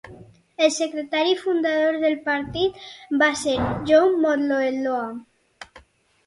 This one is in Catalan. El secretari fundador del partit va ser John Motloheloa.